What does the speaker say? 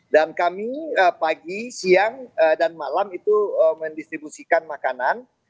dan kami pagi siang dan malam itu mendistribusikan makanan